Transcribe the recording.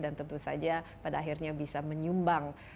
tentu saja pada akhirnya bisa menyumbang